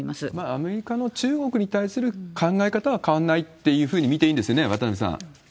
アメリカの中国に対する考え方は変わんないっていうふうに見そうですね。